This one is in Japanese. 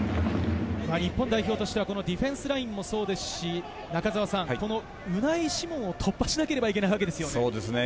日本代表としてはディフェンスラインもそうですし、ウナイ・シモンを突破しなければいけないわけですよね。